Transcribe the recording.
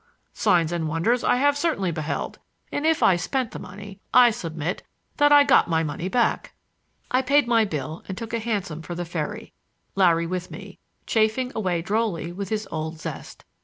Signs and wonders I have certainly beheld, and if I spent the money I submit that I got my money back." I paid my bill and took a hansom for the ferry,— Larry with me, chaffing away drolly with his old zest.